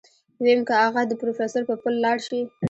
ويم که اغه د پروفيسر په پل لاړ شي.